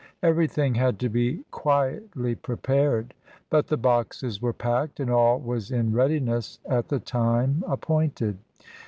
Everything had to be quietly prepared; but the boxes were packed, and all was in readiness at the time appointed.